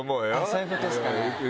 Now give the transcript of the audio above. そういうことですかね。